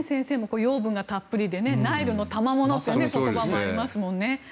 養分がたっぷりでナイルのたまものって言葉もありますもんね。